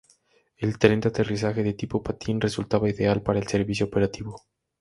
El tren de aterrizaje de tipo patín resultaba ideal para el servicio operativo.